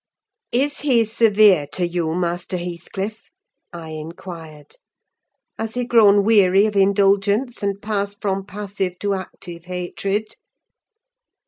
"Is he severe to you, Master Heathcliff?" I inquired. "Has he grown weary of indulgence, and passed from passive to active hatred?"